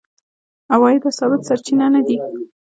عوایده ثابت سرچینه نه دي.